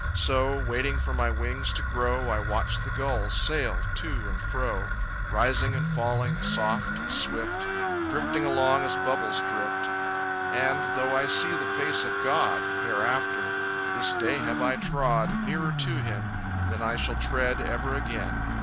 So, waiting for my wings to grow, I watch the gulls sail to and fro, Rising and falling, soft and swift, Drifting along as bubbles drift. And, though I see the face of God Hereafter this day have I trod Nearer to Him than I shall tread Ever again.